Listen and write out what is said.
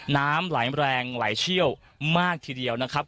น้ำไหลแรงไหลเชี่ยวมากทีเดียวนะครับ